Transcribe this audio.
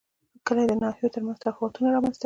کلي د ناحیو ترمنځ تفاوتونه رامنځ ته کوي.